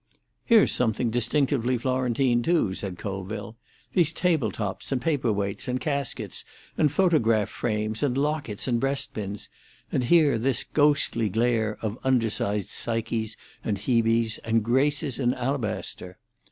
"Here's something distinctively Florentine too," said Colville. "These table tops, and paper weights, and caskets, and photograph frames, and lockets, and breast pins; and here, this ghostly glare of undersized Psyches and Hebes and Graces in alabaster."